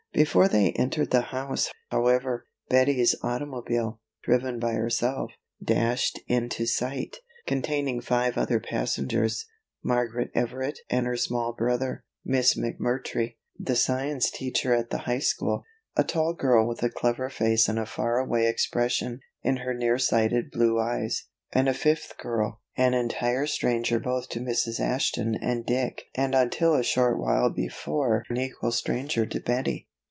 Before they entered the house, however, Betty's automobile, driven by herself, dashed into sight, containing five other passengers: Margaret Everett and her small brother; Miss McMurtry, the science teacher at the high school; a tall girl with a clever face and a far away expression in her near sighted blue eyes; and a fifth girl, an entire stranger both to Mrs. Ashton and Dick and until a short while before an equal stranger to Betty.